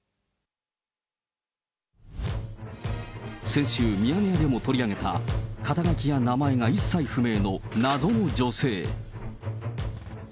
先週、ミヤネ屋でも取り上げた、肩書や名前が一切不明の謎の女性。